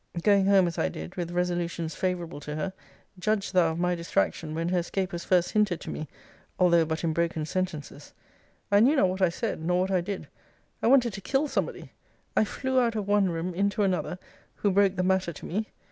Going home, as I did, with resolutions favourable to her, judge thou of my distraction, when her escape was first hinted to me, although but in broken sentences. I knew not what I said, nor what I did. I wanted to kill somebody. I flew out of one room into another, who broke the matter to me.